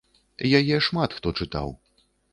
Яе шмат хто чытаў.